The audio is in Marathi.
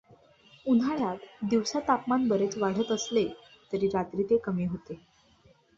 उन्हाळ्यात दिवसा तापमान बरेच वाढत असले तरी रात्री ते कमी होते.